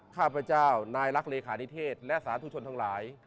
ข้าพเจ้านายรักเลขานิเทศและสาธุชนทั้งหลาย